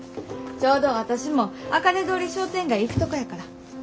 ちょうど私もあかね通り商店街へ行くとこやから。